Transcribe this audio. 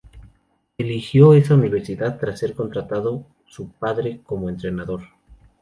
Eligió esa universidad tras ser contratado su padre como entrenador.